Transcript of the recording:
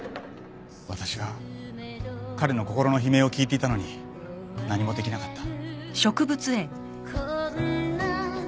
私は彼の心の悲鳴を聞いていたのに何もできなかった。